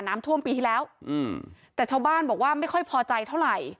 น้ำท่วมปีที่แล้วอืมแต่ชาวบ้านบอกว่าไม่ค่อยพอใจเท่าไหร่